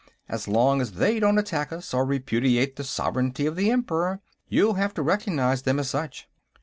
As long as they don't attack us, or repudiate the sovereignty of the Emperor, you'll have to recognize them as such."